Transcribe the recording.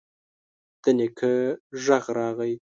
د نيکه غږ راغی: